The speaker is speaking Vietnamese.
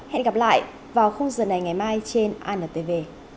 hẹn gặp lại vào giờ này ngày mai trên antv